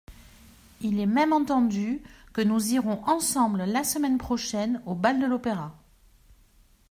Il est même entendu que nous irons ensemble, la semaine prochaine, au bal de l'Opéra.